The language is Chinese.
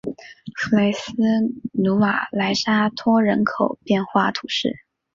弗雷斯努瓦莱沙托人口变化图示